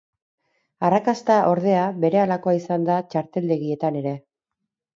Arrakasta, ordea, berehalakoa izan da txarteldegietan ere.